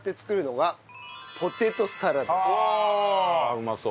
うまそう。